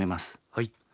はい。